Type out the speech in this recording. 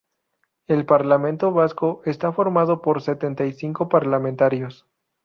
El Parlamento Vasco está formado por setenta y cinco parlamentarios.